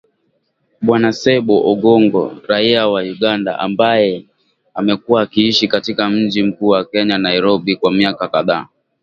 Bwana Ssebbo Ogongo, raia wa Uganda, ambaye amekuwa akiishi katika mji mkuu wa Kenya, Nairobi, kwa miaka kadhaa